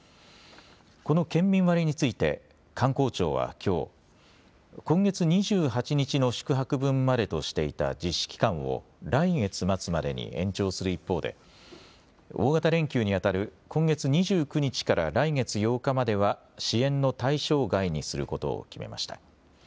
この県民割について観光庁はきょう今月２８日の宿泊分までとしていた実施期間を来月末までに延長する一方で大型連休にあたる今月２９日から来月８日までは支援の対象外にすることを決めました。